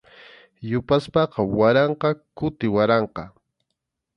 Yupaspaqa waranqa kuti waranqa.